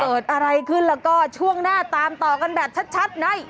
เกิดอะไรขึ้นแล้วก็ช่วงหน้าตามต่อกันแบบชัดใน